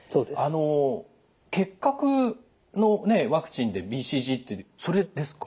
あの結核のねワクチンでＢＣＧってそれですか？